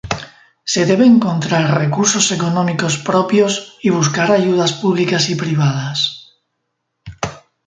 Se debe encontrar recursos económicos propios y buscar ayudas públicas y privadas.